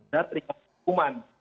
dan terima hukuman